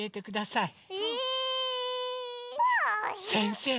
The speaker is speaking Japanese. せんせい！